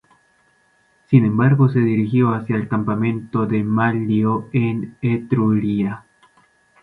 Sin embargo, se dirigió hacia el campamento de Manlio en Etruria.